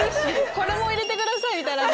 「これも入れてください」みたいな。